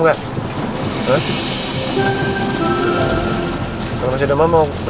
kamu kenapa sih istri lagi sakit